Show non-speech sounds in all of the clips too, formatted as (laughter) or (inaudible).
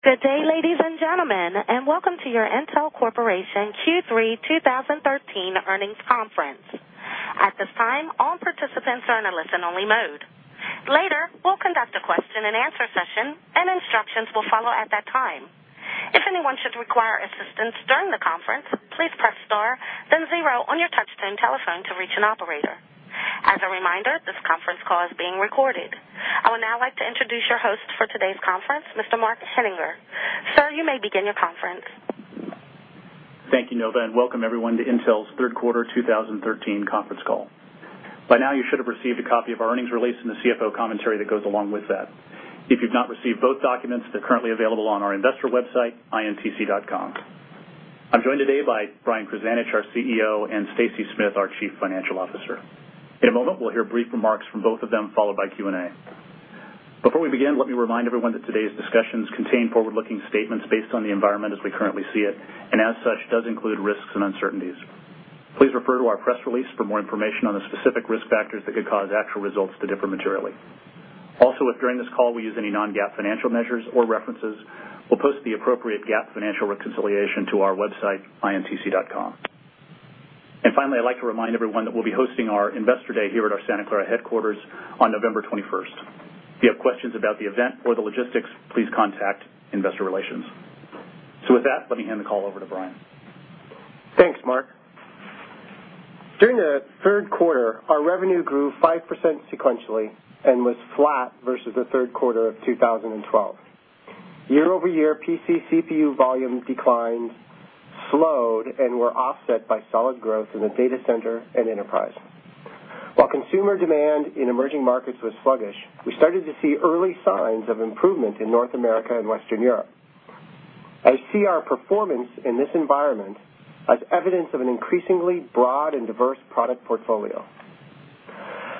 Good day, ladies and gentlemen, welcome to your Intel Corporation Q3 2013 earnings conference. At this time, all participants are in a listen-only mode. Later, we'll conduct a question-and-answer session, instructions will follow at that time. If anyone should require assistance during the conference, please press star then zero on your touchtone telephone to reach an operator. As a reminder, this conference call is being recorded. I would now like to introduce your host for today's conference, Mr. Mark Henninger. Sir, you may begin your conference. Thank you, Nova, welcome everyone to Intel's third quarter 2013 conference call. By now, you should have received a copy of our earnings release and the CFO commentary that goes along with that. If you've not received both documents, they're currently available on our investor website, intc.com. I'm joined today by Brian Krzanich, our CEO, and Stacy Smith, our Chief Financial Officer. In a moment, we'll hear brief remarks from both of them, followed by Q&A. Before we begin, let me remind everyone that today's discussions contain forward-looking statements based on the environment as we currently see it, as such, does include risks and uncertainties. Please refer to our press release for more information on the specific risk factors that could cause actual results to differ materially. Also, if during this call we use any non-GAAP financial measures or references, we'll post the appropriate GAAP financial reconciliation to our website, intc.com. Finally, I'd like to remind everyone that we'll be hosting our Investor Day here at our Santa Clara headquarters on November 21st. If you have questions about the event or the logistics, please contact investor relations. With that, let me hand the call over to Brian. Thanks, Mark. During the third quarter, our revenue grew 5% sequentially was flat versus the third quarter of 2012. Year-over-year, PC CPU volume declines slowed were offset by solid growth in the data center and enterprise. While consumer demand in emerging markets was sluggish, we started to see early signs of improvement in North America and Western Europe. I see our performance in this environment as evidence of an increasingly broad and diverse product portfolio.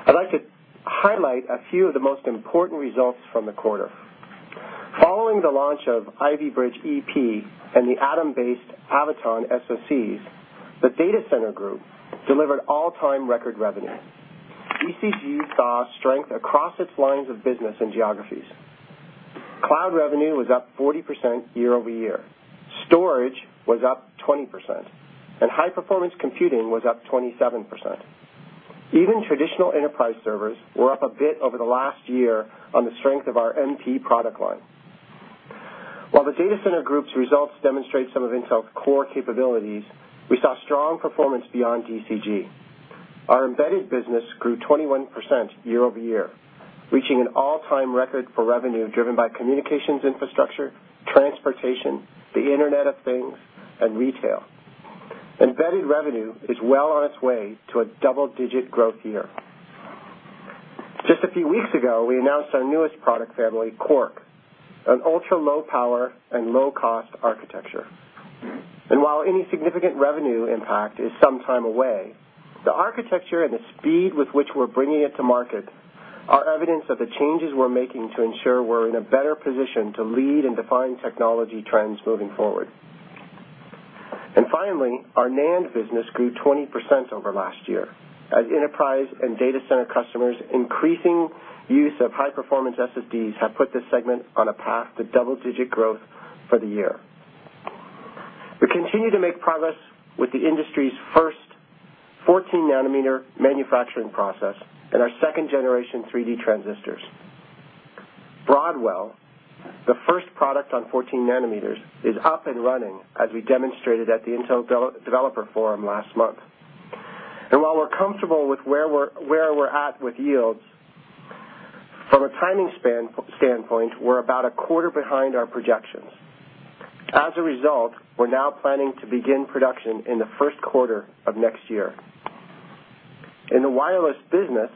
I'd like to highlight a few of the most important results from the quarter. Following the launch of Ivy Bridge-EP and the Atom-based Avoton SoCs, the Data Center Group delivered all-time record revenue. DCG saw strength across its lines of business and geographies. Cloud revenue was up 40% year-over-year. Storage was up 20%, high-performance computing was up 27%. Even traditional enterprise servers were up a bit over the last year on the strength of our MP product line. While the Data Center Group's results demonstrate some of Intel's core capabilities, we saw strong performance beyond DCG. Our embedded business grew 21% year-over-year, reaching an all-time record for revenue driven by communications infrastructure, transportation, the Internet of Things, and retail. Embedded revenue is well on its way to a double-digit growth year. Just a few weeks ago, we announced our newest product family, Quark, an ultra low power and low cost architecture. While any significant revenue impact is some time away, the architecture and the speed with which we're bringing it to market are evidence of the changes we're making to ensure we're in a better position to lead and define technology trends moving forward. Finally, our NAND business grew 20% over last year, as enterprise and data center customers increasing use of high performance SSDs have put this segment on a path to double-digit growth for the year. We continue to make progress with the industry's first 14-nanometer manufacturing process and our second generation 3D transistors. Broadwell, the first product on 14-nanometer, is up and running, as we demonstrated at the Intel Developer Forum last month. While we're comfortable with where we're at with yields, from a timing standpoint, we're about a quarter behind our projections. As a result, we're now planning to begin production in the first quarter of next year. In the wireless business,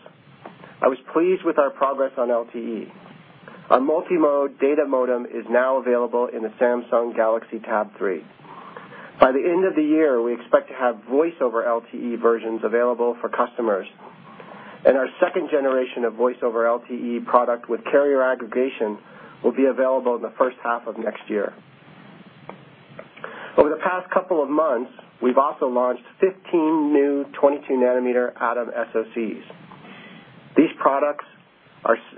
I was pleased with our progress on LTE. Our multi-mode data modem is now available in the Samsung Galaxy Tab 3. By the end of the year, we expect to have voice-over-LTE versions available for customers, and our second generation of voice-over-LTE product with carrier aggregation will be available in the first half of next year. Over the past couple of months, we've also launched 15 new 22-nanometer Atom SoCs. These products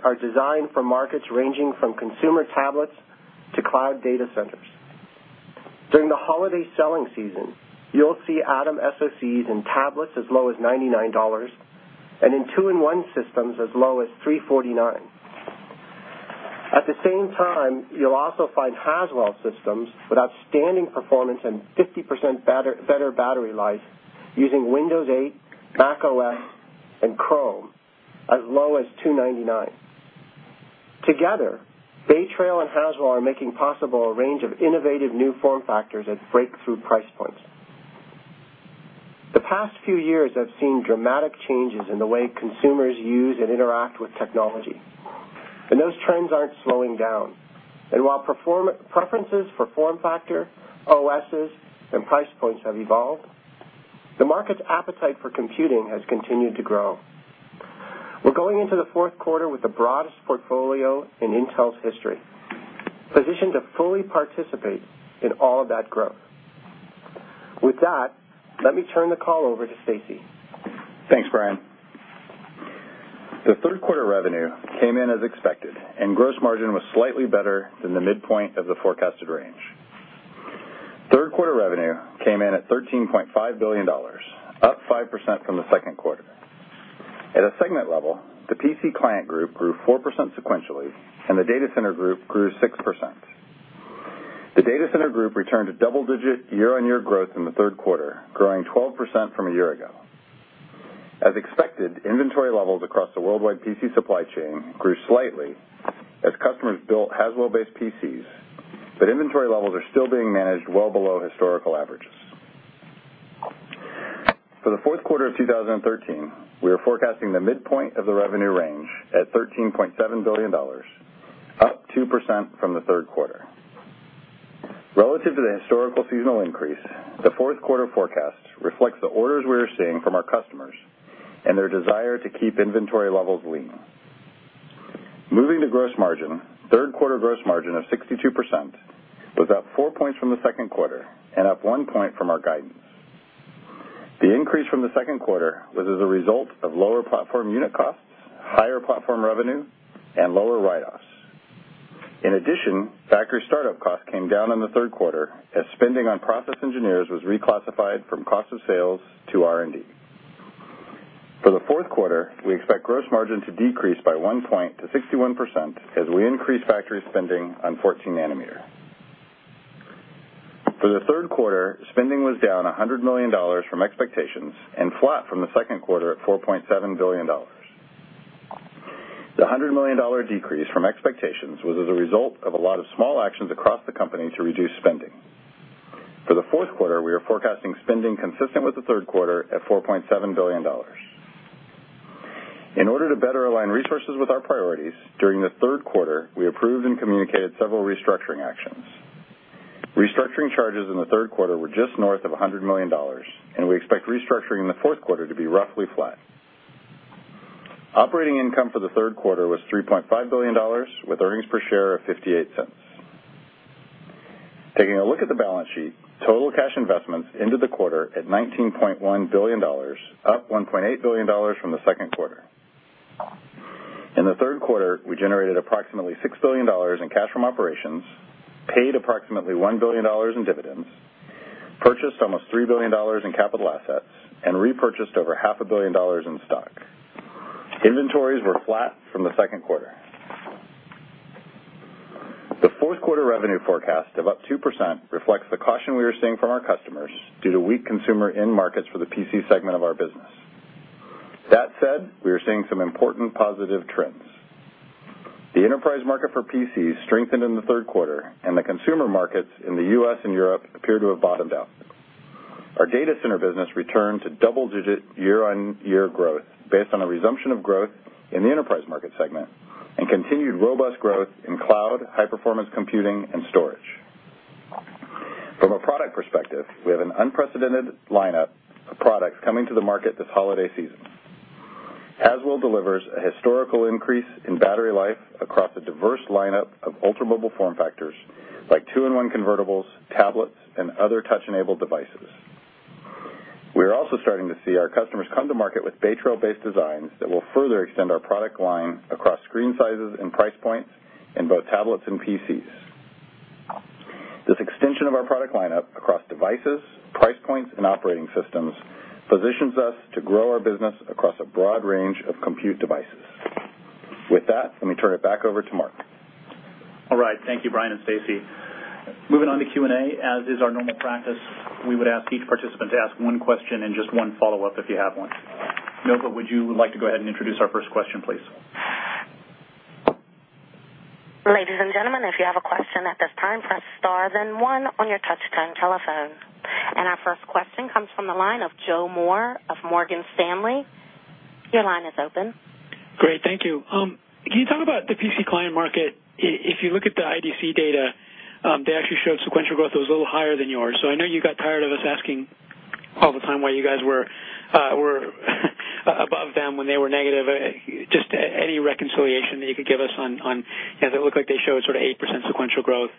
are designed for markets ranging from consumer tablets to cloud data centers. During the holiday selling season, you'll see Atom SoCs in tablets as low as $99, and in two-in-one systems as low as $349. At the same time, you'll also find Haswell systems with outstanding performance and 50% better battery life using Windows 8, OS X, and Chrome OS, as low as $299. Together, Bay Trail and Haswell are making possible a range of innovative new form factors at breakthrough price points. The past few years have seen dramatic changes in the way consumers use and interact with technology, those trends aren't slowing down. While preferences for form factor, OSs, and price points have evolved, the market's appetite for computing has continued to grow. We're going into the fourth quarter with the broadest portfolio in Intel's history, positioned to fully participate in all of that growth. With that, let me turn the call over to Stacy. Thanks, Brian. The third quarter revenue came in as expected, gross margin was slightly better than the midpoint of the forecasted range. Third quarter revenue came in at $13.5 billion, up 5% from the second quarter. At a segment level, the PC Client Group grew 4% sequentially, the Data Center Group grew 6%. The Data Center Group returned to double-digit year-on-year growth in the third quarter, growing 12% from a year ago. As expected, inventory levels across the worldwide PC supply chain grew slightly as customers built Haswell-based PCs, but inventory levels are still being managed well below historical averages. For the fourth quarter of 2013, we are forecasting the midpoint of the revenue range at $13.7 billion, up 2% from the third quarter. Relative to the historical seasonal increase, the fourth quarter forecast reflects the orders we are seeing from our customers and their desire to keep inventory levels lean. Moving to gross margin, third quarter gross margin of 62% was up 4 points from the second quarter and up 1 point from our guidance. The increase from the second quarter was as a result of lower platform unit costs, higher platform revenue, and lower write-offs. In addition, factory startup costs came down in the third quarter as spending on process engineers was reclassified from cost of sales to R&D. For the fourth quarter, we expect gross margin to decrease by 1 point to 61% as we increase factory spending on 14-nanometer. For the third quarter, spending was down $100 million from expectations and flat from the second quarter at $4.7 billion. The $100 million decrease from expectations was as a result of a lot of small actions across the company to reduce spending. For the fourth quarter, we are forecasting spending consistent with the third quarter at $4.7 billion. In order to better align resources with our priorities, during the third quarter, we approved and communicated several restructuring actions. Restructuring charges in the third quarter were just north of $100 million, we expect restructuring in the fourth quarter to be roughly flat. Operating income for the third quarter was $3.5 billion, with earnings per share of $0.58. Taking a look at the balance sheet, total cash investments ended the quarter at $19.1 billion, up $1.8 billion from the second quarter. In the third quarter, we generated approximately $6 billion in cash from operations, paid approximately $1 billion in dividends, purchased almost $3 billion in capital assets, and repurchased over half a billion dollars in stock. Inventories were flat from the second quarter. The fourth quarter revenue forecast of up 2% reflects the caution we are seeing from our customers due to weak consumer end markets for the PC segment of our business. That said, we are seeing some important positive trends. The enterprise market for PCs strengthened in the third quarter, and the consumer markets in the U.S. and Europe appear to have bottomed out. Our data center business returned to double-digit year-on-year growth based on a resumption of growth in the enterprise market segment and continued robust growth in cloud, high-performance computing, and storage. From a product perspective, we have an unprecedented lineup of products coming to the market this holiday season. Haswell delivers a historical increase in battery life across a diverse lineup of ultra mobile form factors like two-in-one convertibles, tablets, and other touch-enabled devices. We are also starting to see our customers come to market with Bay Trail-based designs that will further extend our product line across screen sizes and price points in both tablets and PCs. This extension of our product lineup across devices, price points, and operating systems positions us to grow our business across a broad range of compute devices. With that, let me turn it back over to Mark. All right. Thank you, Brian and Stacy. Moving on to Q&A. As is our normal practice, we would ask each participant to ask one question and just one follow-up if you have one. Milka, would you like to go ahead and introduce our first question, please? Ladies and gentlemen, if you have a question at this time, press star then one on your touchtone telephone. Our first question comes from the line of Joseph Moore of Morgan Stanley. Your line is open. Great. Thank you. Can you talk about the PC Client market? If you look at the IDC data, they actually showed sequential growth that was a little higher than yours. I know you got tired of us asking all the time why you guys were above them when they were negative. Just any reconciliation that you could give us on, they look like they showed sort of 8% sequential growth,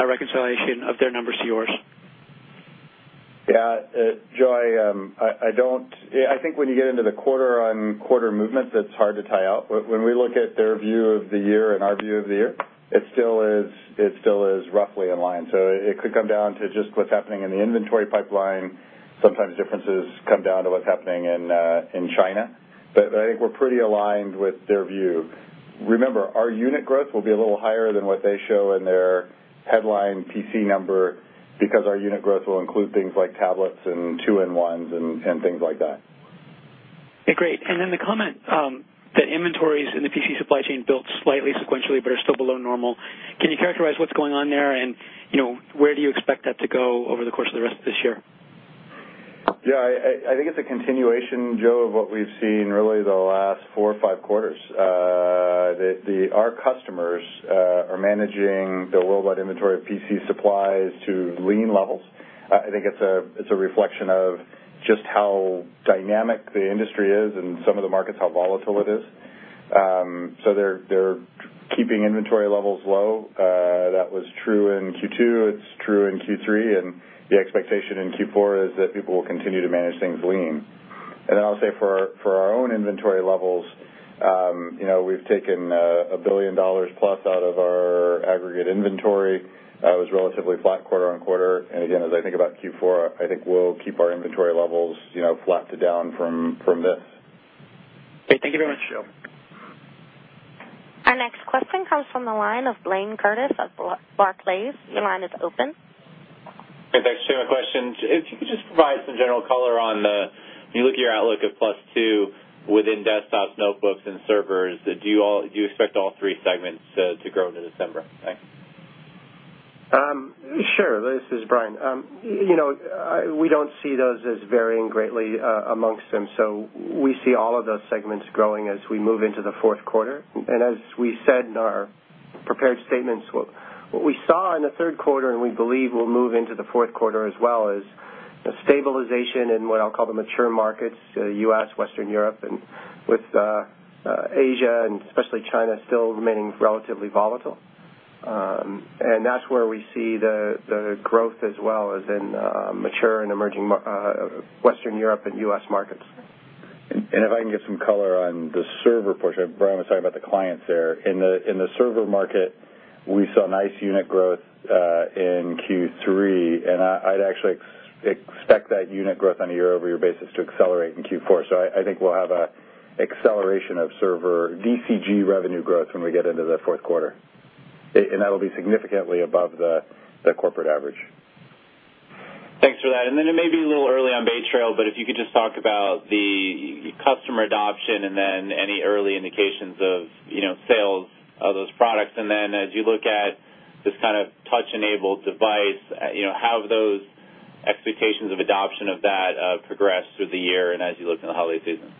reconciliation of their numbers to yours? Yeah. Joe, I think when you get into the quarter-on-quarter movement, that's hard to tie out. When we look at their view of the year and our view of the year, it still is roughly in line. It could come down to just what's happening in the inventory pipeline. Sometimes differences come down to what's happening in China. I think we're pretty aligned with their view. Remember, our unit growth will be a little higher than what they show in their headline PC number because our unit growth will include things like tablets and two-in-ones and things like that. Great. The comment that inventories in the PC supply chain built slightly sequentially but are still below normal, can you characterize what's going on there and where do you expect that to go over the course of the rest of this year? Yeah, I think it's a continuation, Joe, of what we've seen really the last four or five quarters. That our customers are managing their worldwide inventory of PC supplies to lean levels. I think it's a reflection of just how dynamic the industry is and some of the markets, how volatile it is. They're keeping inventory levels low, that was true in Q2, it's true in Q3, and the expectation in Q4 is that people will continue to manage things lean. I'll say for our own inventory levels, we've taken $1 billion plus out of our aggregate inventory. It was relatively flat quarter-on-quarter. As I think about Q4, I think we'll keep our inventory levels flat to down from this. Okay. Thank you very much. Sure. Our next question comes from the line of Blayne Curtis of Barclays. Your line is open. Hey, thanks. Two questions. If you could just provide some general color on the, when you look at your outlook of plus two within desktops, notebooks, and servers, do you expect all three segments to grow into December? Thanks. Sure. This is Brian. We don't see those as varying greatly amongst them, so we see all of those segments growing as we move into the fourth quarter. As we said in our prepared statements, what we saw in the third quarter and we believe will move into the fourth quarter as well is, the stabilization in what I'll call the mature markets, U.S., Western Europe, and with Asia, and especially China, still remaining relatively volatile. That's where we see the growth as well as in mature and emerging Western Europe and U.S. markets. If I can give some color on the server portion, Brian was talking about the clients there. In the server market, we saw nice unit growth in Q3, I'd actually expect that unit growth on a year-over-year basis to accelerate in Q4. I think we'll have an acceleration of server DCG revenue growth when we get into the fourth quarter. That'll be significantly above the corporate average. Thanks for that. It may be a little early on Bay Trail, if you could just talk about the customer adoption and any early indications of sales of those products. As you look at this kind of touch-enabled device, how have those expectations of adoption of that progressed through the year and as you look in the holiday season?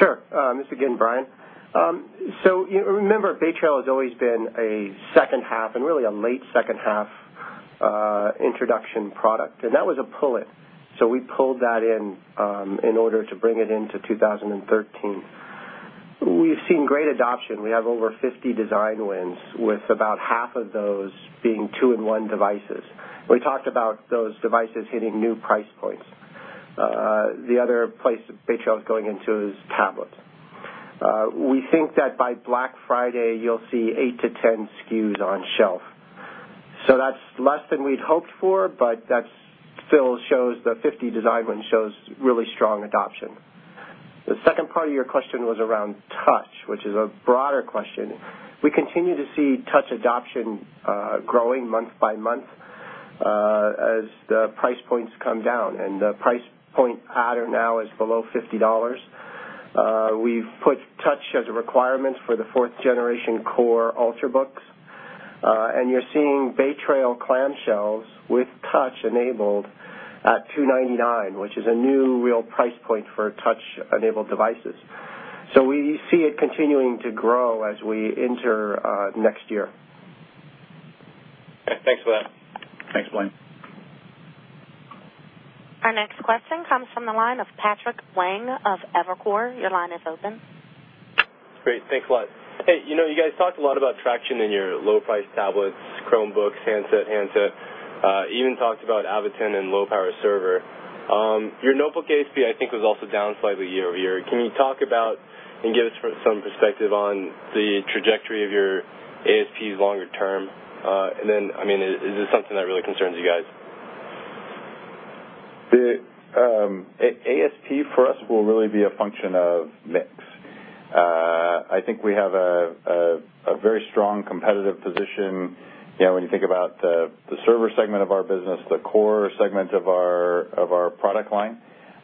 Sure. This again, Brian. Remember, Bay Trail has always been a second half and really a late second half introduction product, that was a pull-in. We pulled that in order to bring it into 2013. We've seen great adoption. We have over 50 design wins, with about half of those being two-in-one devices. We talked about those devices hitting new price points. The other place Bay Trail is going into is tablets. We think that by Black Friday, you'll see eight to 10 SKUs on shelf. That's less than we'd hoped for, that still shows the 50 design win shows really strong adoption. The second part of your question was around touch, which is a broader question. We continue to see touch adoption growing month by month as the price points come down, and the price point pattern now is below $50. We've put touch as a requirement for the fourth generation Core Ultrabook. You're seeing Bay Trail clamshells with touch enabled at $299, which is a new real price point for touch-enabled devices. We see it continuing to grow as we enter next year. Okay. Thanks for that. Thanks, Blayne. Our next question comes from the line of Patrick Wang of Evercore. Your line is open. Great. Thanks a lot. Hey, you guys talked a lot about traction in your low-price tablets, Chromebooks, handset, even talked about Avoton and low-power server. Your notebook ASP, I think, was also down slightly year-over-year. Can you talk about, and give us some perspective on the trajectory of your ASPs longer term? Is this something that really concerns you guys? ASP for us will really be a function of mix. I think we have a very strong competitive position. When you think about the server segment of our business, the core segment of our product line,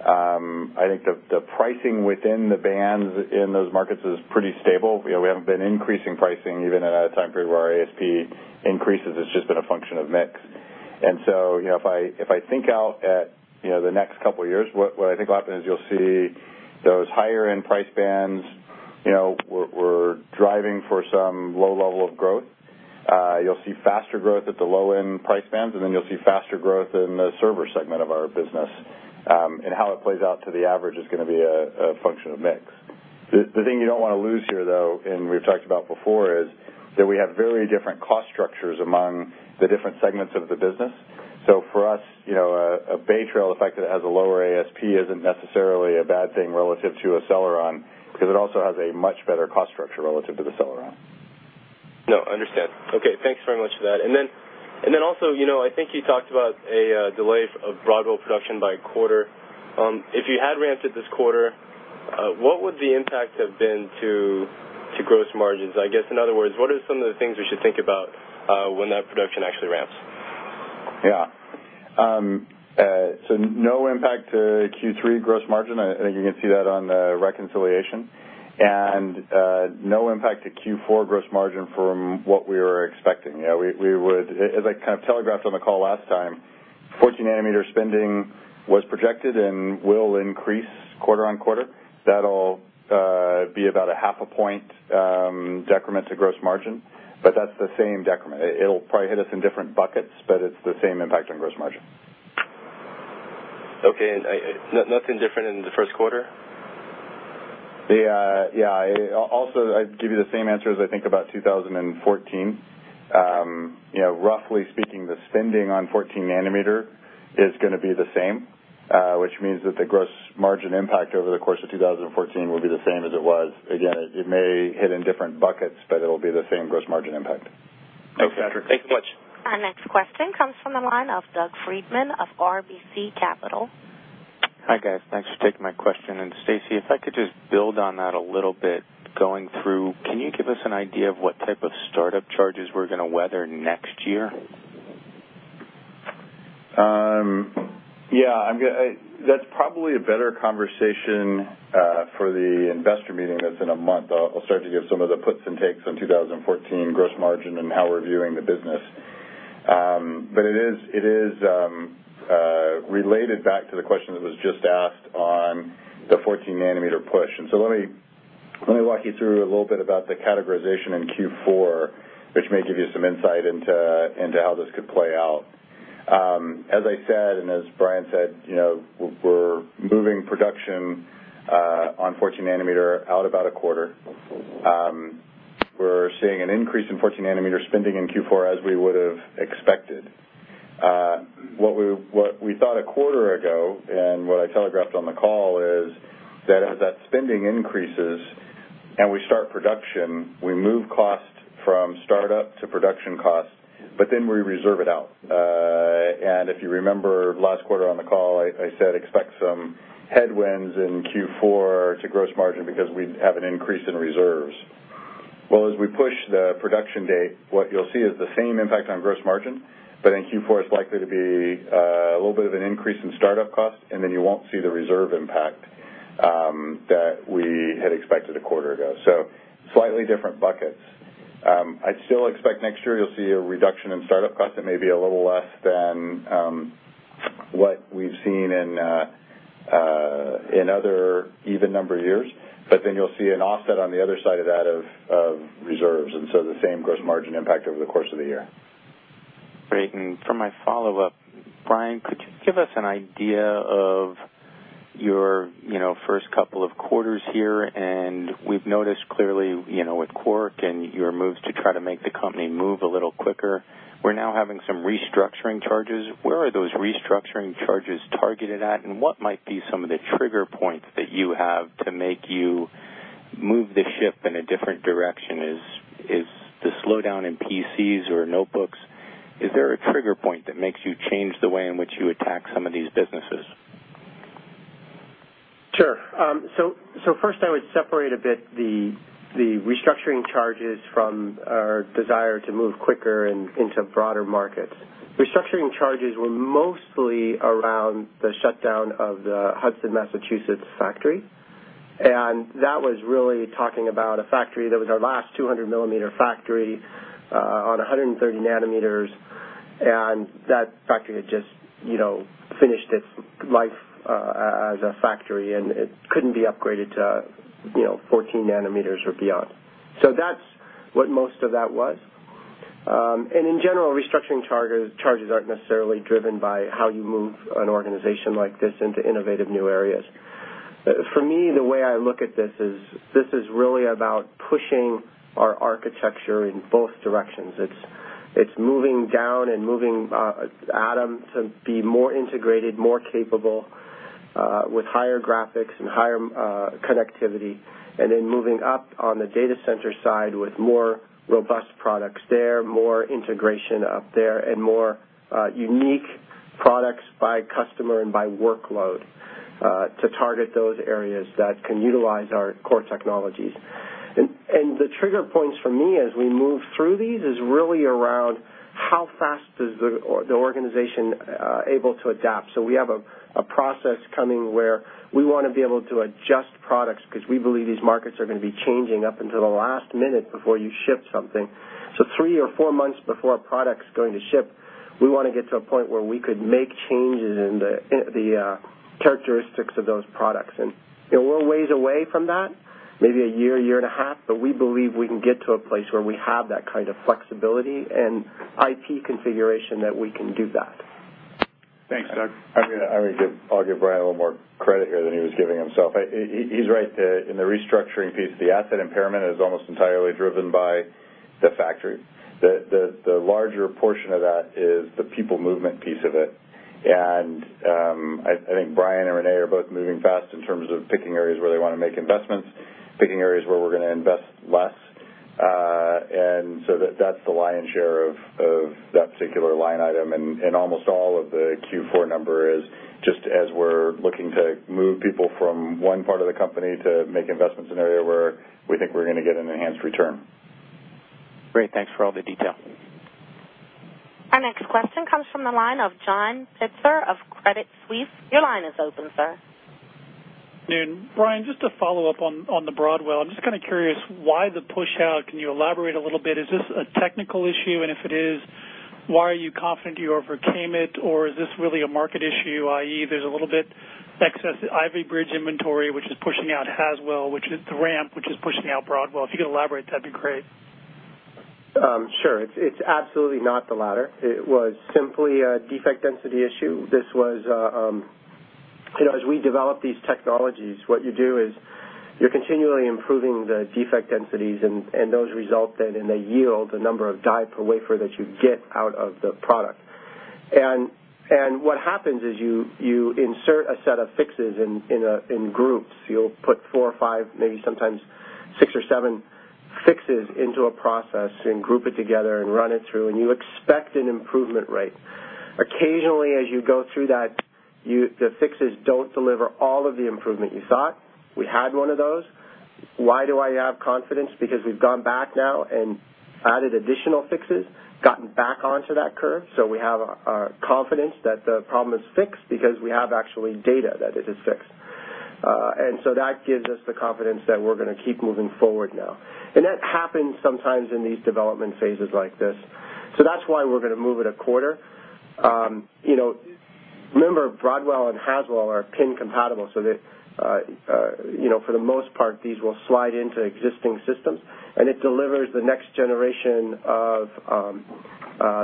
I think the pricing within the bands in those markets is pretty stable. We haven't been increasing pricing even in a time period where our ASP increases has just been a function of mix. If I think out at the next couple of years, what I think will happen is you'll see those higher-end price bands were driving for some low level of growth. You'll see faster growth at the low-end price bands, and then you'll see faster growth in the server segment of our business. How it plays out to the average is going to be a function of mix. The thing you don't want to lose here, though, and we've talked about before, is that we have very different cost structures among the different segments of the business. For us, Bay Trail, the fact that it has a lower ASP isn't necessarily a bad thing relative to a Celeron, because it also has a much better cost structure relative to the Celeron. No, understand. Okay. Thanks very much for that. I think you talked about a delay of Broadwell production by a quarter. If you had ramped it this quarter, what would the impact have been to gross margins? I guess, in other words, what are some of the things we should think about when that production actually ramps? Yeah. No impact to Q3 gross margin. I think you can see that on the reconciliation. No impact to Q4 gross margin from what we were expecting. As I kind of telegraphed on the call last time, 14-nanometer spending was projected and will increase quarter-on-quarter. That'll be about a half a point decrement to gross margin, but that's the same decrement. It'll probably hit us in different buckets, but it's the same impact on gross margin. Okay. Nothing different in the first quarter? Yeah. I'd give you the same answer as I think about 2014. Okay. Roughly speaking, the spending on 14-nanometer is going to be the same, which means that the gross margin impact over the course of 2014 will be the same as it was. It may hit in different buckets, but it'll be the same gross margin impact. Thanks, Patrick. Thanks so much. Our next question comes from the line of Doug Freedman of RBC Capital. Hi, guys. Thanks for taking my question. Stacy, if I could just build on that a little bit, going through, can you give us an idea of what type of startup charges we're going to weather next year? That's probably a better conversation for the investor meeting that's in a month. I'll start to give some of the puts and takes on 2014 gross margin and how we're viewing the business. It is related back to the question that was just asked on the 14-nanometer push. Let me walk you through a little bit about the categorization in Q4, which may give you some insight into how this could play out. As I said, and as Brian said, we're moving production on 14-nanometer out about a quarter. We're seeing an increase in 14-nanometer spending in Q4, as we would've expected. What we thought a quarter ago, and what I telegraphed on the call, is that as that spending increases and we start production, we move cost from startup to production cost, we reserve it out. If you remember last quarter on the call, I said expect some headwinds in Q4 to gross margin because we have an increase in reserves. As we push the production date, what you'll see is the same impact on gross margin, but in Q4, it's likely to be a little bit of an increase in startup cost, and you won't see the reserve impact that we had expected a quarter ago. Slightly different buckets. I'd still expect next year you'll see a reduction in startup cost that may be a little less than what we've seen in other even number years. You'll see an offset on the other side of that of reserves, the same gross margin impact over the course of the year. Great. For my follow-up, Brian, could you give us an idea of your first couple of quarters here? We've noticed clearly with Quark and your moves to try to make the company move a little quicker, we're now having some restructuring charges. Where are those restructuring charges targeted at, and what might be some of the trigger points that you have to make you move the ship in a different direction? Is the slowdown in PCs or notebooks, is there a trigger point that makes you change the way in which you attack some of these businesses? Sure. First, I would separate a bit the restructuring charges from our desire to move quicker and into broader markets. Restructuring charges were mostly around the shutdown of the Hudson, Massachusetts factory, that was really talking about a factory that was our last 200-millimeter factory on 130 nanometers, and that factory had just finished its life as a factory, and it couldn't be upgraded to 14-nanometer or beyond. That's what most of that was. In general, restructuring charges aren't necessarily driven by how you move an organization like this into innovative new areas. For me, the way I look at this is, this is really about pushing our architecture in both directions. It's moving down and moving Atom to be more integrated, more capable with higher graphics and higher connectivity, moving up on the data center side with more robust products there, more integration up there, and more unique products by customer and by workload to target those areas that can utilize our Core technologies. The trigger points for me as we move through these is really around how fast is the organization able to adapt. We have a process coming where we want to be able to adjust products because we believe these markets are going to be changing up until the last minute before you ship something. Three or four months before a product's going to ship, we want to get to a point where we could make changes in the characteristics of those products. We're a ways away from that, maybe a year and a half, but we believe we can get to a place where we have that kind of flexibility and IT configuration that we can do that. Thanks, Doug. I'll give Brian a little more credit here than he was giving himself. He's right. In the restructuring piece, the asset impairment is almost entirely driven by the factory. The larger portion of that is the people movement piece of it, I think Brian and Renée are both moving fast in terms of picking areas where they want to make investments, picking areas where we're going to invest less. That's the lion's share of that particular line item. Almost all of the Q4 number is just as we're looking to move people from one part of the company to make investments in an area where we think we're going to get an enhanced return. Great. Thanks for all the detail. Our next question comes from the line of John Pitzer of Credit Suisse. Your line is open, sir. (inaudible) Brian, just to follow up on the Broadwell, I'm just kind of curious why the push out. Can you elaborate a little bit? Is this a technical issue, and if it is, why are you confident you overcame it? Is this really a market issue, i.e., there's a little bit excess Ivy Bridge inventory, which is pushing out Haswell, which is the ramp, which is pushing out Broadwell? If you could elaborate, that'd be great. Sure. It's absolutely not the latter. It was simply a defect density issue. As we develop these technologies, what you do is you're continually improving the defect densities, and those result, then in the yield, the number of die per wafer that you get out of the product. What happens is you insert a set of fixes in groups. You'll put four or five, maybe sometimes six or seven fixes into a process and group it together and run it through, and you expect an improvement rate. Occasionally, as you go through that, the fixes don't deliver all of the improvement you thought. We had one of those. Why do I have confidence? Because we've gone back now and added additional fixes, gotten back onto that curve, so we have a confidence that the problem is fixed because we have actually data that it is fixed. That gives us the confidence that we're going to keep moving forward now. That happens sometimes in these development phases like this. That's why we're going to move it a quarter. Remember, Broadwell and Haswell are pin compatible, so for the most part, these will slide into existing systems, and it delivers the next generation of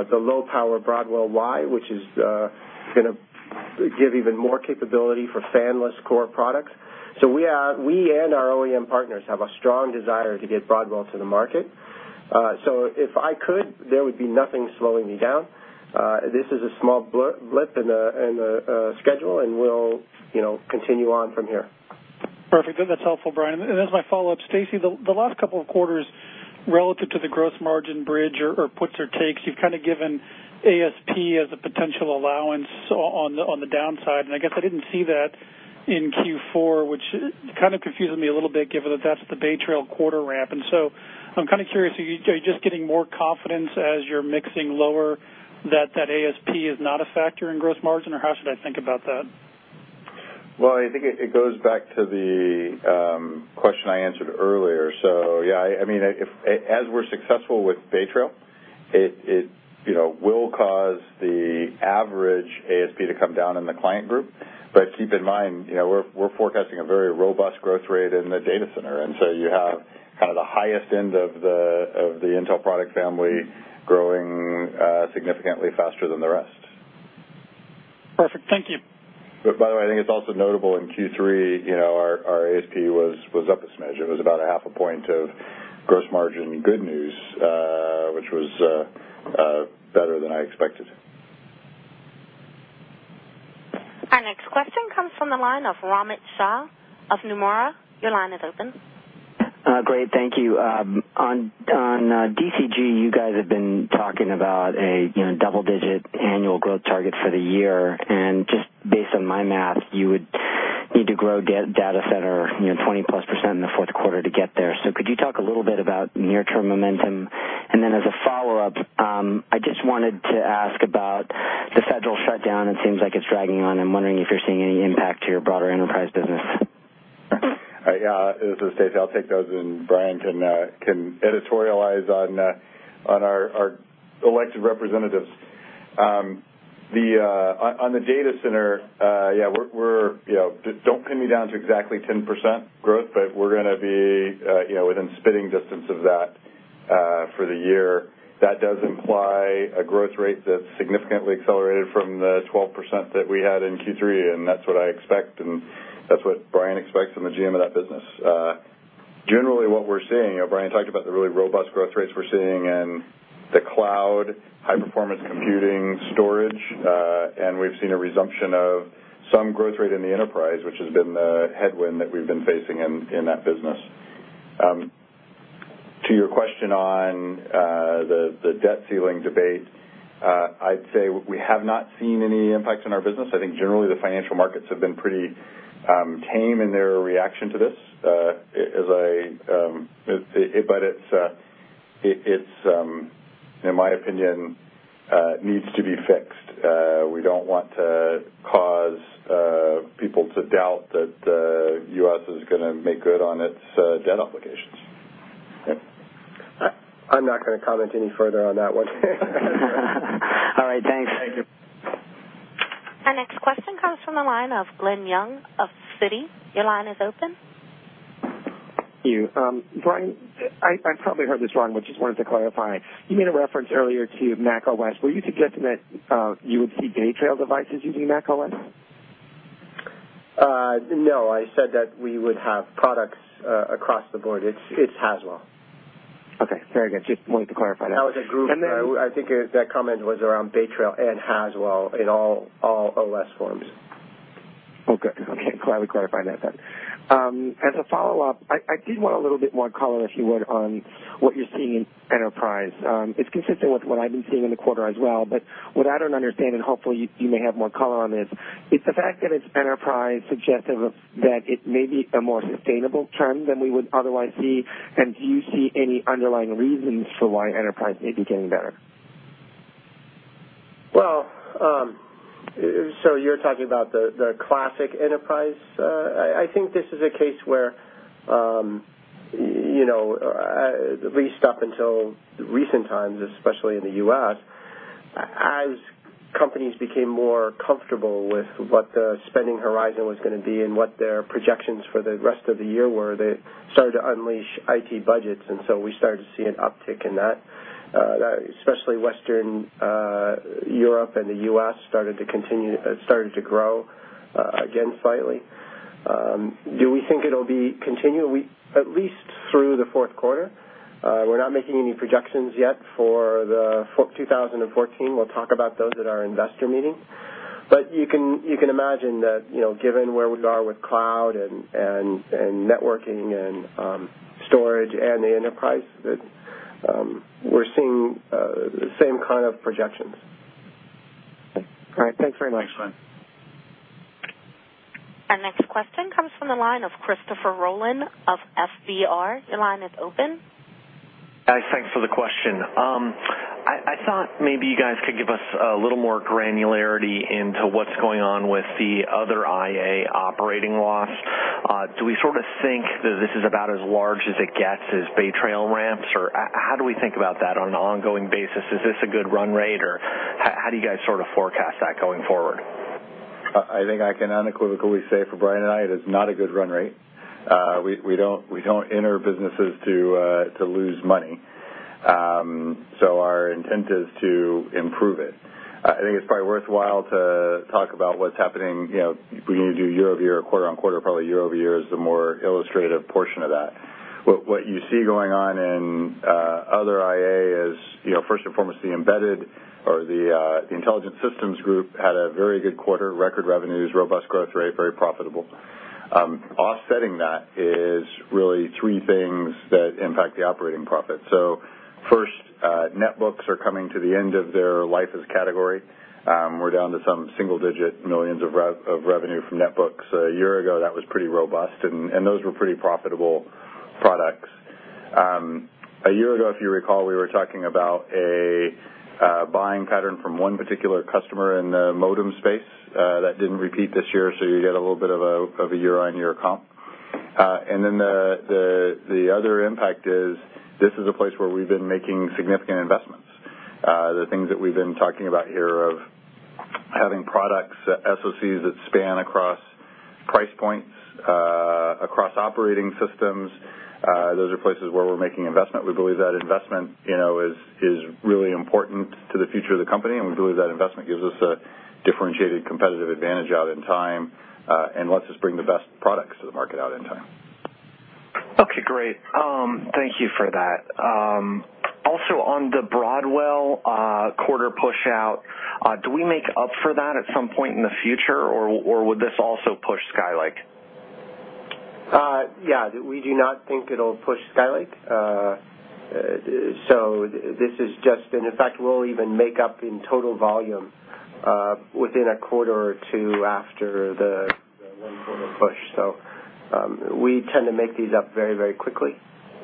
the low-power Broadwell-Y, which is going to give even more capability for fanless Core products. We and our OEM partners have a strong desire to get Broadwell to the market. If I could, there would be nothing slowing me down. This is a small blip in the schedule, and we'll continue on from here. Perfect. Good. That's helpful, Brian. As my follow-up, Stacy, the last couple of quarters relative to the gross margin bridge or puts or takes, you've given ASP as a potential allowance on the downside. I guess I didn't see that in Q4, which kind of confuses me a little bit given that that's the Bay Trail quarter ramp. I'm curious, are you just getting more confidence as you're mixing lower that that ASP is not a factor in gross margin, or how should I think about that? Well, I think it goes back to the question I answered earlier. Yeah, as we're successful with Bay Trail, it will cause the average ASP to come down in the Client Group. Keep in mind, we're forecasting a very robust growth rate in the Data Center. You have the highest end of the Intel product family growing significantly faster than the rest. Perfect. Thank you. By the way, I think it's also notable in Q3, our ASP was up a smidge. It was about a half a point of gross margin good news, which was better than I expected. Our next question comes from the line of Amit Shah of Nomura. Your line is open. Great. Thank you. On DCG, you guys have been talking about a double-digit annual growth target for the year, and just based on my math, you would need to grow data center 20+% in the fourth quarter to get there. Could you talk a little bit about near-term momentum? As a follow-up, I just wanted to ask about the federal shutdown. It seems like it's dragging on. I'm wondering if you're seeing any impact to your broader enterprise business. Yeah. This is Stacy. I'll take those, and Brian can editorialize on our elected representatives. On the data center, don't pin me down to exactly 10% growth, but we're going to be within spitting distance of that for the year. That does imply a growth rate that's significantly accelerated from the 12% that we had in Q3, and that's what I expect, and that's what Brian expects from the GM of that business. Generally, what we're seeing, Brian talked about the really robust growth rates we're seeing in the cloud, high-performance computing, storage, and we've seen a resumption of some growth rate in the enterprise, which has been the headwind that we've been facing in that business. To your question on the debt ceiling debate, I'd say we have not seen any impact on our business. I think generally the financial markets have been pretty tame in their reaction to this. It, in my opinion, needs to be fixed. We don't want to cause people to doubt that the U.S. is going to make good on its debt obligations. I'm not going to comment any further on that one. All right. Thanks. Thank you. Our next question comes from the line of Glen Yeung of Citi. Your line is open. Thank you. Brian, I probably heard this wrong, but just wanted to clarify. You made a reference earlier to OS X. Were you suggesting that you would see Bay Trail devices using OS X? No, I said that we would have products across the board. It's Haswell. Okay. Very good. Just wanted to clarify that. That was a group. And then- I think that comment was around Bay Trail and Haswell in all OS forms. Okay. Glad we clarified that, then. As a follow-up, I did want a little bit more color, if you would, on what you're seeing in enterprise. It's consistent with what I've been seeing in the quarter as well, but what I don't understand, and hopefully you may have more color on this, is the fact that it's enterprise suggestive of that it may be a more sustainable trend than we would otherwise see, and do you see any underlying reasons for why enterprise may be getting better? Well, you're talking about the classic enterprise. I think this is a case where, at least up until recent times, especially in the U.S. As companies became more comfortable with what the spending horizon was going to be and what their projections for the rest of the year were, they started to unleash IT budgets, and so we started to see an uptick in that. Especially Western Europe and the U.S. started to grow again slightly. Do we think it'll be continuing? At least through the fourth quarter. We're not making any projections yet for 2014. We'll talk about those at our investor meeting. You can imagine that, given where we are with cloud and networking and storage and the enterprise, that we're seeing the same kind of projections. All right. Thanks very much. Thanks, Glen. Our next question comes from the line of Christopher Rolland of FBR. Your line is open. Guys, thanks for the question. I thought maybe you guys could give us a little more granularity into what's going on with the Other IA operating loss. Do we sort of think that this is about as large as it gets as Bay Trail ramps? How do we think about that on an ongoing basis? Is this a good run rate, or how do you guys sort of forecast that going forward? I think I can unequivocally say for Brian and I, that is not a good run rate. We don't enter businesses to lose money. Our intent is to improve it. I think it's probably worthwhile to talk about what's happening, when you do year-over-year or quarter-on-quarter, probably year-over-year is the more illustrative portion of that. What you see going on in Other IA is, first and foremost, the embedded or the Intelligent Systems Group had a very good quarter, record revenues, robust growth rate, very profitable. Offsetting that is really three things that impact the operating profit. First, netbooks are coming to the end of their life as category. We're down to some single-digit millions of revenue from netbooks. A year ago, that was pretty robust, and those were pretty profitable products. A year ago, if you recall, we were talking about a buying pattern from one particular customer in the modem space. That didn't repeat this year, so you get a little bit of a year-on-year comp. The other impact is this is a place where we've been making significant investments. The things that we've been talking about here of having products, SoCs that span across price points, across operating systems, those are places where we're making investment. We believe that investment is really important to the future of the company, and we believe that investment gives us a differentiated competitive advantage out in time, and lets us bring the best products to the market out in time. Okay, great. Thank you for that. Also, on the Broadwell quarter pushout, do we make up for that at some point in the future, or would this also push Skylake? Yeah. We do not think it'll push Skylake. This is just In fact, we'll even make up in total volume within a quarter or two after the one-quarter push. We tend to make these up very quickly.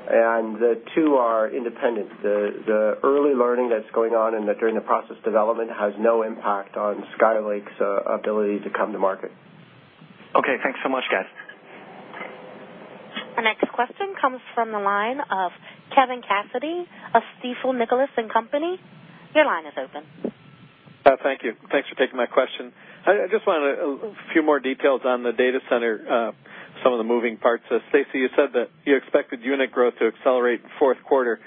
The two are independent. The early learning that's going on and during-the-process development has no impact on Skylake's ability to come to market. Okay. Thanks so much, guys. Our next question comes from the line of Kevin Cassidy of Stifel, Nicolaus & Company. Your line is open. Thank you. Thanks for taking my question. I just wanted a few more details on the data center, some of the moving parts. Stacy, you said that you expected unit growth to accelerate fourth quarter.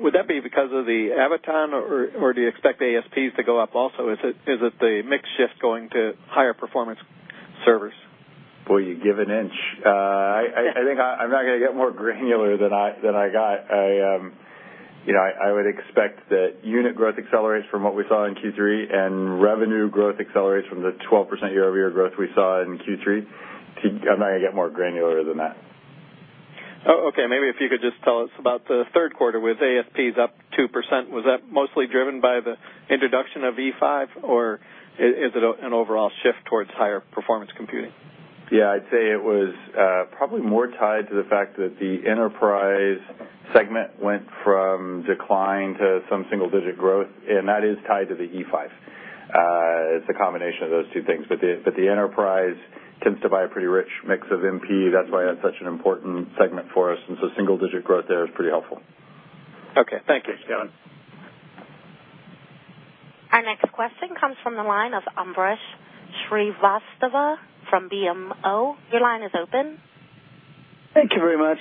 Would that be because of the Avoton, or do you expect ASPs to go up also? Is it the mix shift going to higher performance servers? Boy, you give an inch. I think I'm not going to get more granular than I got. I would expect that unit growth accelerates from what we saw in Q3, and revenue growth accelerates from the 12% year-over-year growth we saw in Q3. I'm not going to get more granular than that. Oh, okay. Maybe if you could just tell us about the third quarter with ASPs up 2%. Was that mostly driven by the introduction of E5, or is it an overall shift towards higher performance computing? Yeah, I'd say it was probably more tied to the fact that the enterprise segment went from decline to some single-digit growth, and that is tied to the E5. It's a combination of those two things. The enterprise tends to buy a pretty rich mix of MP. That's why that's such an important segment for us, and so single-digit growth there is pretty helpful. Okay. Thank you. Thanks, Kevin. Our next question comes from the line of Ambrish Srivastava from BMO. Your line is open. Thank you very much.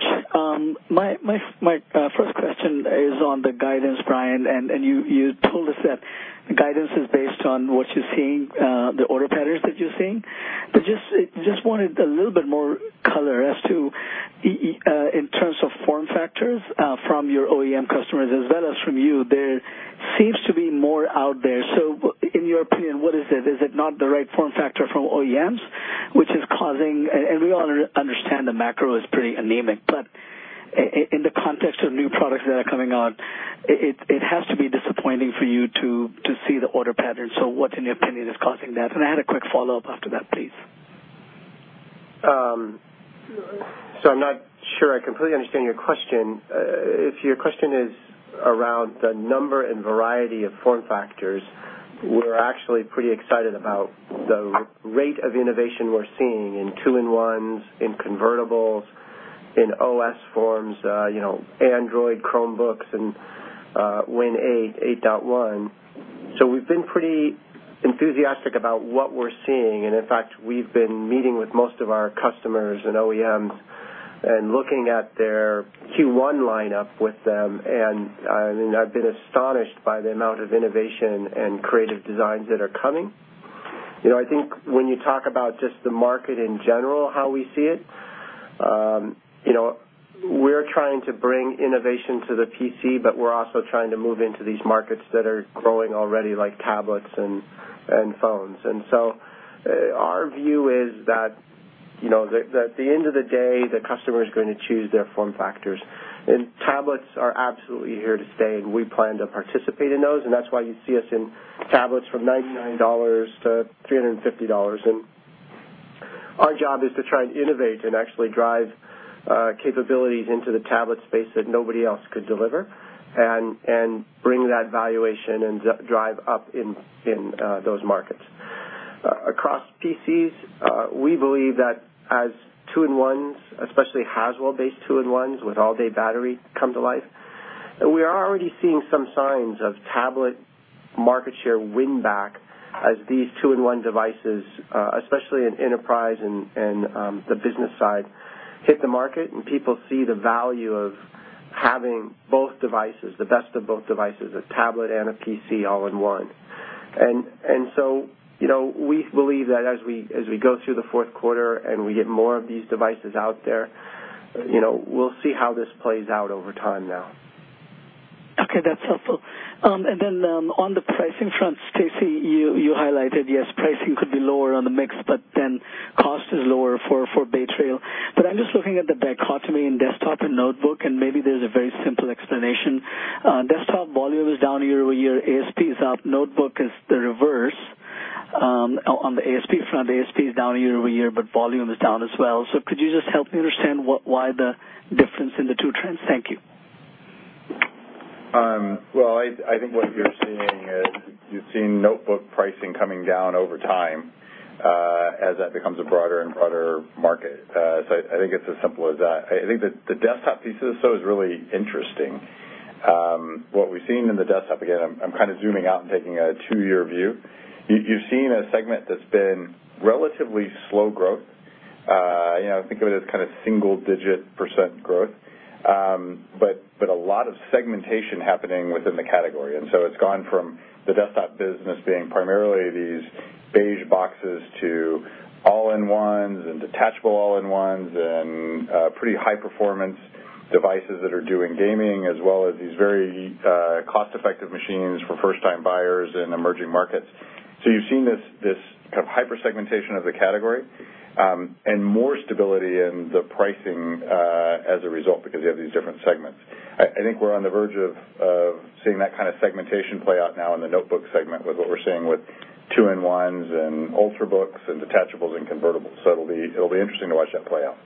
My first question is on the guidance, Brian, you told us that the guidance is based on what you're seeing, the order patterns that you're seeing. Just wanted a little bit more color as to, in terms of form factors from your OEM customers as well as from you, there seems to be more out there. In your opinion, what is it? Is it not the right form factor from OEMs? We all understand the macro is pretty anemic, but in the context of new products that are coming out, it has to be disappointing for you to see the order patterns. What, in your opinion, is causing that? I had a quick follow-up after that, please. I'm not sure I completely understand your question. If your question is around the number and variety of form factors, we're actually pretty excited about the rate of innovation we're seeing in two-in-ones, in convertibles. In OS forms, Android, Chromebooks, and Win 8.1. We've been pretty enthusiastic about what we're seeing. In fact, we've been meeting with most of our customers and OEMs and looking at their Q1 lineup with them, and I've been astonished by the amount of innovation and creative designs that are coming. I think when you talk about just the market in general, how we see it, we're trying to bring innovation to the PC, but we're also trying to move into these markets that are growing already, like tablets and phones. Our view is that, at the end of the day, the customer is going to choose their form factors. Tablets are absolutely here to stay, and we plan to participate in those. That's why you see us in tablets from $99-$350, and our job is to try and innovate and actually drive capabilities into the tablet space that nobody else could deliver and bring that valuation and drive up in those markets. Across PCs, we believe that as two-in-ones, especially Haswell-based two-in-ones with all-day battery come to life, we are already seeing some signs of tablet market share win back as these two-in-one devices, especially in enterprise and the business side, hit the market, and people see the value of having both devices, the best of both devices, a tablet and a PC all-in-one. We believe that as we go through the fourth quarter and we get more of these devices out there, we'll see how this plays out over time now. Okay, that's helpful. On the pricing front, Stacy, you highlighted, yes, pricing could be lower on the mix, cost is lower for Bay Trail. I'm just looking at the dichotomy in desktop and notebook, and maybe there's a very simple explanation. Desktop volume is down year-over-year, ASP is up. Notebook is the reverse. On the ASP front, ASP is down year-over-year, volume is down as well. Could you just help me understand why the difference in the two trends? Thank you. Well, I think what you're seeing is you're seeing notebook pricing coming down over time as that becomes a broader and broader market. I think it's as simple as that. I think that the desktop piece of this though is really interesting. What we've seen in the desktop, again, I'm kind of zooming out and taking a two-year view. You've seen a segment that's been relatively slow growth. Think of it as kind of single-digit % growth, but a lot of segmentation happening within the category. It's gone from the desktop business being primarily these beige boxes to all-in-ones and detachable all-in-ones and pretty high-performance devices that are doing gaming, as well as these very cost-effective machines for first-time buyers in emerging markets. You've seen this kind of hyper-segmentation of the category, and more stability in the pricing as a result because you have these different segments. I think we're on the verge of seeing that kind of segmentation play out now in the notebook segment with what we're seeing with two-in-ones and Ultrabooks and detachables and convertibles. It'll be interesting to watch that play out.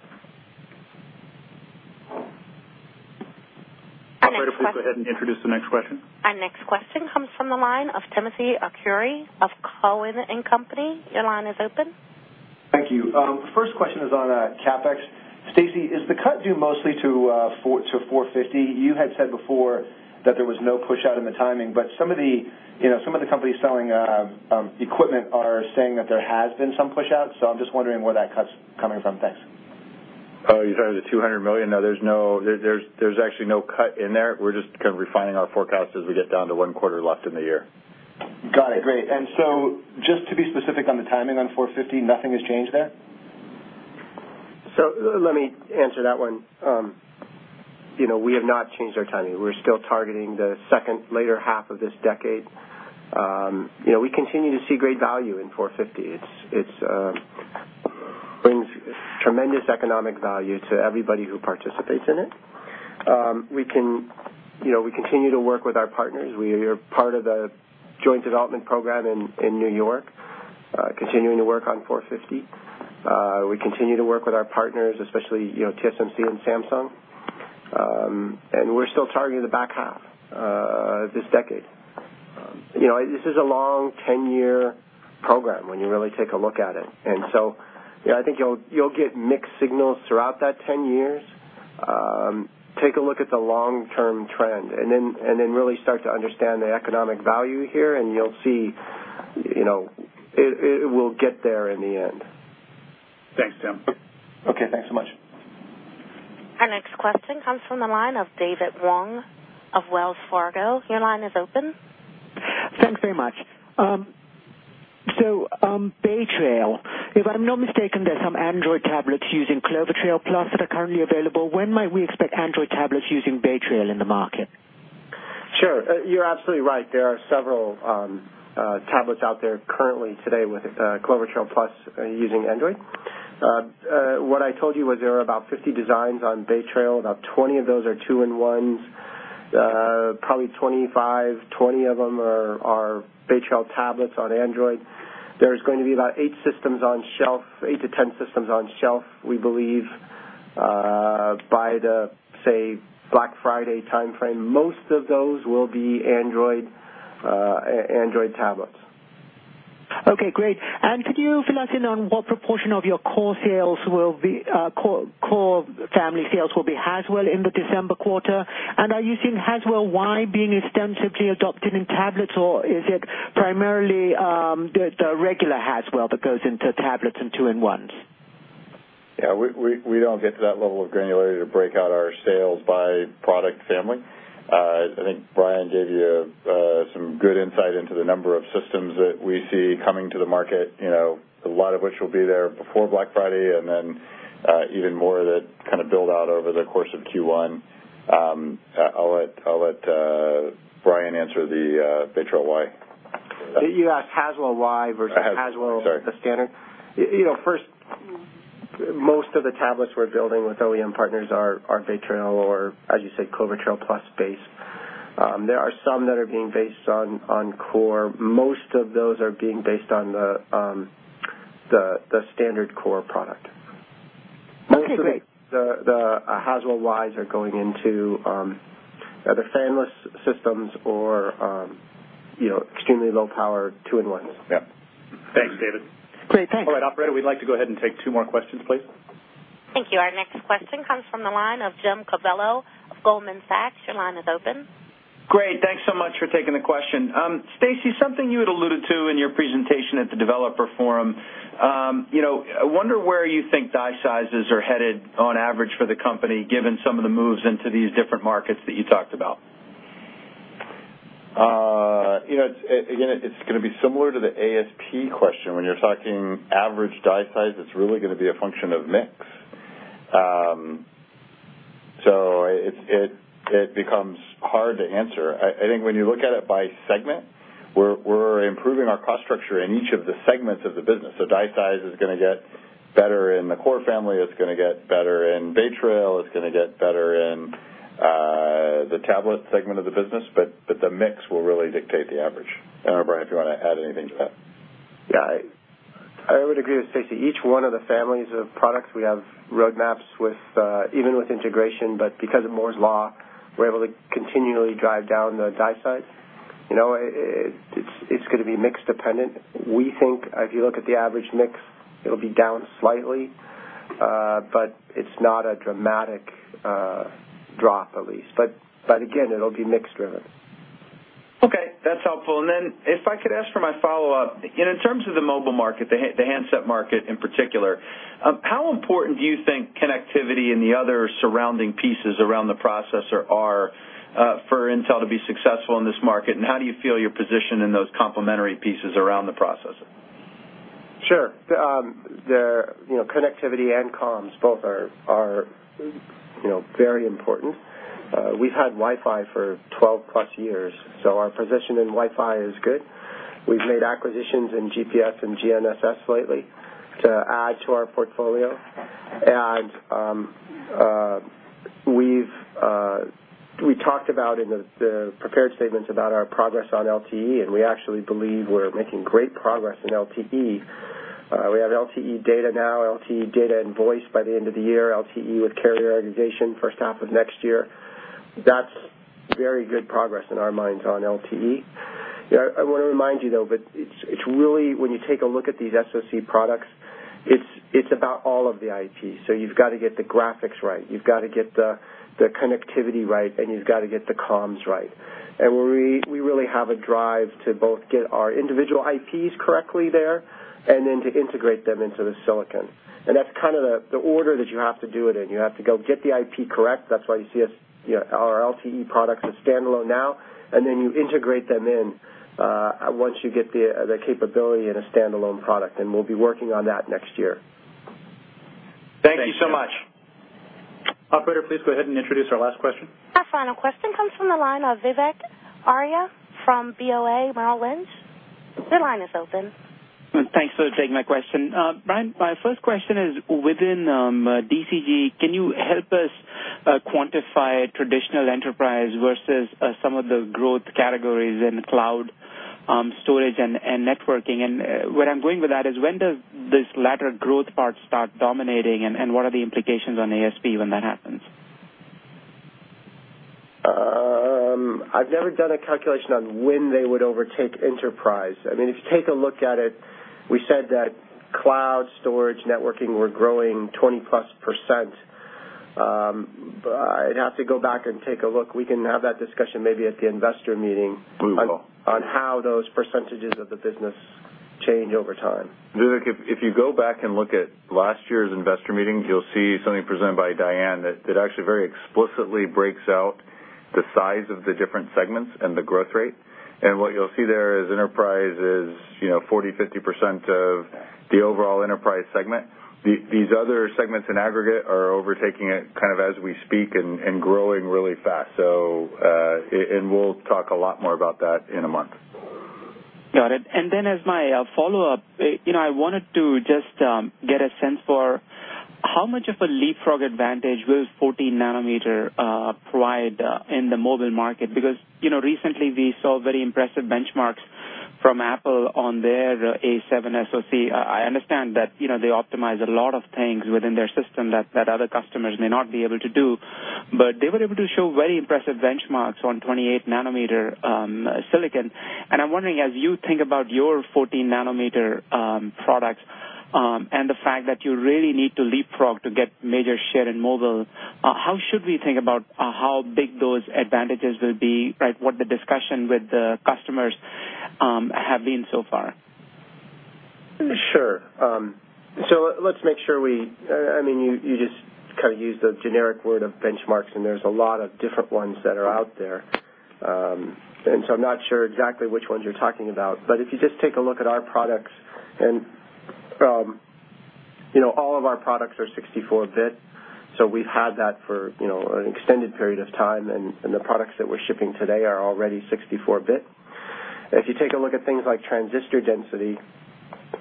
Operator, please go ahead and introduce the next question. Our next question comes from the line of Timothy Arcuri of Cowen and Company. Your line is open. Thank you. First question is on CapEx. Stacy, is the cut due mostly to 450mm? You had said before that there was no push out in the timing, but some of the companies selling equipment are saying that there has been some push out. I'm just wondering where that cut's coming from. Thanks. Oh, you're talking the $200 million? No, there's actually no cut in there. We're just kind of refining our forecast as we get down to one quarter left in the year. Got it, great. Just to be specific on the timing on 450mm, nothing has changed there? Let me answer that one. We have not changed our timing. We're still targeting the second, later half of this decade. We continue to see great value in 450mm. It brings tremendous economic value to everybody who participates in it. We continue to work with our partners. We are part of a joint development program in New York, continuing to work on 450mm. We continue to work with our partners, especially TSMC and Samsung. We're still targeting the back half this decade. This is a long, 10-year program when you really take a look at it. I think you'll get mixed signals throughout that 10 years. Take a look at the long-term trend, then really start to understand the economic value here, and you'll see it will get there in the end. Thanks, Tim. Okay, thanks so much. Our next question comes from the line of David Wong of Wells Fargo. Your line is open. Thanks very much. Bay Trail, if I'm not mistaken, there's some Android tablets using Clover Trail+ that are currently available. When might we expect Android tablets using Bay Trail in the market? Sure. You're absolutely right. There are several tablets out there currently today with Clover Trail+ using Android. What I told you was there are about 50 designs on Bay Trail. About 20 of those are two-in-ones. Probably 25, 20 of them are Bay Trail tablets on Android. There's going to be about eight to 10 systems on shelf, we believe, by the, say, Black Friday timeframe. Most of those will be Android tablets. Okay, great. Could you fill us in on what proportion of your Core family sales will be Haswell in the December quarter? Are you seeing Haswell Y being extensively adopted in tablets, or is it primarily the regular Haswell that goes into tablets and two-in-ones? Yeah. We don't get to that level of granularity to break out our sales by product family. I think Brian gave you some good insight into the number of systems that we see coming to the market, a lot of which will be there before Black Friday, and then even more that build out over the course of Q1. I'll let Brian answer the Bay Trail Y. You asked Haswell Y versus. Haswell Haswell, the standard? Sorry. First, most of the tablets we're building with OEM partners are Bay Trail or, as you say, Clover Trail Plus based. There are some that are being based on Core. Most of those are being based on the standard Core product. Okay, great. Most of the Haswell Ys are going into the fanless systems or extremely low power two-in-ones. Yep. Thanks, David. Great, thanks. All right, operator, we'd like to go ahead and take two more questions, please. Thank you. Our next question comes from the line of James Covello of Goldman Sachs. Your line is open. Great. Thanks so much for taking the question. Stacy, something you had alluded to in your presentation at the Intel Developer Forum. I wonder where you think die sizes are headed on average for the company, given some of the moves into these different markets that you talked about. It's going to be similar to the ASP question. When you're talking average die size, it's really going to be a function of mix. It becomes hard to answer. I think when you look at it by segment, we're improving our cost structure in each of the segments of the business. Die size is going to get better in the Core family, it's going to get better in Bay Trail, it's going to get better in the tablet segment of the business, but the mix will really dictate the average. I don't know, Brian, if you want to add anything to that. Yeah. I would agree with Stacy. Each one of the families of products, we have roadmaps even with integration, but because of Moore's Law, we're able to continually drive down the die size. It's going to be mix dependent. We think if you look at the average mix, it'll be down slightly, but it's not a dramatic drop, at least. Again, it'll be mix driven. Okay, that's helpful. Then if I could ask for my follow-up, in terms of the mobile market, the handset market in particular, how important do you think connectivity and the other surrounding pieces around the processor are for Intel to be successful in this market? How do you feel you're positioned in those complementary pieces around the processor? Sure. Connectivity and comms both are very important. We've had Wi-Fi for 12+ years, so our position in Wi-Fi is good. We've made acquisitions in GPS and GNSS lately to add to our portfolio. We talked about in the prepared statements about our progress on LTE, and we actually believe we're making great progress in LTE. We have LTE data now, LTE data and voice by the end of the year, LTE with carrier aggregation first half of next year. That's very good progress in our minds on LTE. I want to remind you, though, but it's really when you take a look at these SoC products, it's about all of the IPs. You've got to get the graphics right, you've got to get the connectivity right, and you've got to get the comms right. We really have a drive to both get our individual IPs correctly there and then to integrate them into the silicon. That's the order that you have to do it in. You have to go get the IP correct. That's why you see our LTE products as standalone now, and then you integrate them in once you get the capability in a standalone product, and we'll be working on that next year. Thank you so much. Operator, please go ahead and introduce our last question. Our final question comes from the line of Vivek Arya from BofA Merrill Lynch. Your line is open. Thanks for taking my question. Brian, my first question is within DCG, can you help us quantify traditional enterprise versus some of the growth categories in cloud storage and networking? Where I'm going with that is when does this latter growth part start dominating, and what are the implications on ASP when that happens? I've never done a calculation on when they would overtake enterprise. If you take a look at it, we said that cloud storage networking were growing 20-plus %. I'd have to go back and take a look. We can have that discussion maybe at the investor meeting. On how those percentages of the business change over time. Vivek, if you go back and look at last year's investor meeting, you'll see something presented by Diane that actually very explicitly breaks out the size of the different segments and the growth rate. What you'll see there is enterprise is 40, 50% of the overall enterprise segment. These other segments in aggregate are overtaking it as we speak and growing really fast. We'll talk a lot more about that in a month. Got it. Then as my follow-up, I wanted to just get a sense for how much of a leapfrog advantage will 14-nanometer provide in the mobile market, because recently we saw very impressive benchmarks from Apple on their A7 SoC. I understand that they optimize a lot of things within their system that other customers may not be able to do. They were able to show very impressive benchmarks on 28 nanometer silicon. I'm wondering, as you think about your 14-nanometer products and the fact that you really need to leapfrog to get major share in mobile, how should we think about how big those advantages will be, what the discussion with the customers have been so far? Sure. Let's make sure. You just used the generic word of benchmarks, and there's a lot of different ones that are out there. I'm not sure exactly which ones you're talking about, but if you just take a look at our products, and all of our products are 64 bit. We've had that for an extended period of time, and the products that we're shipping today are already 64 bit. If you take a look at things like transistor density,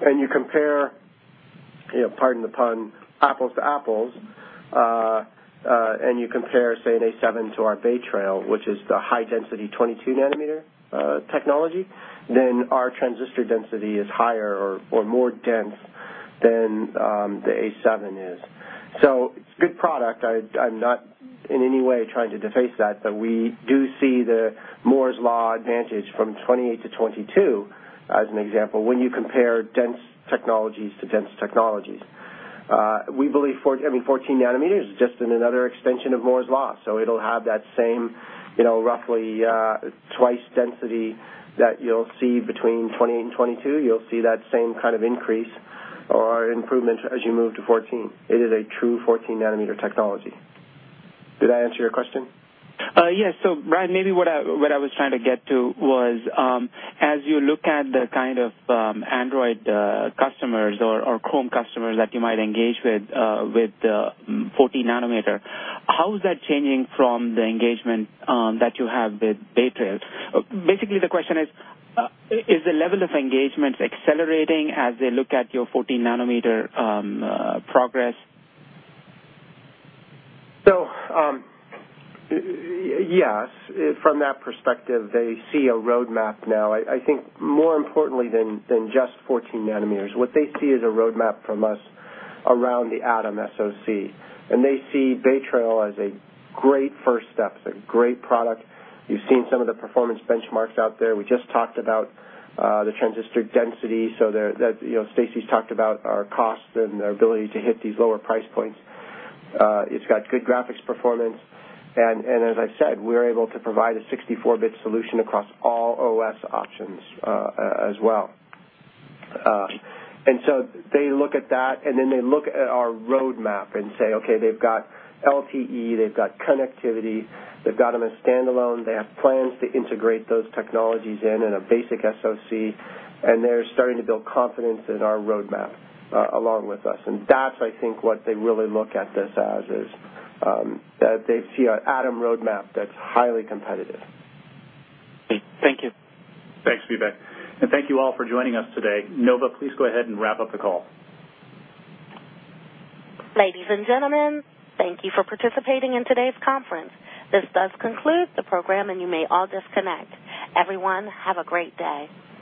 and you compare, pardon the pun, apples to apples, and you compare, say, an A7 to our Bay Trail, which is the high-density 22-nanometer technology, then our transistor density is higher or more dense than the A7 is. It's a good product. I'm not in any way trying to deface that. We do see the Moore's Law advantage from 28 to 22, as an example, when you compare dense technologies to dense technologies. We believe 14-nanometer is just another extension of Moore's Law. It'll have that same roughly twice density that you'll see between 28 and 22. You'll see that same kind of increase or improvement as you move to 14. It is a true 14-nanometer technology. Did I answer your question? Yes. Brian, maybe what I was trying to get to was, as you look at the kind of Android customers or Chrome customers that you might engage with 14-nanometer, how is that changing from the engagement that you have with Bay Trail? Basically, the question is the level of engagement accelerating as they look at your 14-nanometer progress? Yes, from that perspective, they see a roadmap now. I think more importantly than just 14-nanometer, what they see is a roadmap from us around the Atom SoC, and they see Bay Trail as a great first step. It's a great product. You've seen some of the performance benchmarks out there. We just talked about the transistor density. Stacy's talked about our cost and our ability to hit these lower price points. It's got good graphics performance. As I said, we're able to provide a 64-bit solution across all OS options as well. They look at that, and then they look at our roadmap and say, okay, they've got LTE, they've got connectivity, they've got them in standalone, they have plans to integrate those technologies in a basic SoC, and they're starting to build confidence in our roadmap along with us. That's, I think, what they really look at this as, is that they see an Atom roadmap that's highly competitive. Thank you. Thanks, Vivek. Thank you all for joining us today. Nova, please go ahead and wrap up the call. Ladies and gentlemen, thank you for participating in today's conference. This does conclude the program, and you may all disconnect. Everyone, have a great day.